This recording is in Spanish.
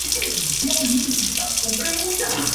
Por su lado oeste se forma el surgidero Otter.